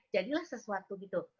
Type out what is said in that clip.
jadilah sesuatu gitu